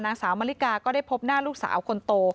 นางสาวมะลิกาก็ได้พบหน้าลูกสาวคนโต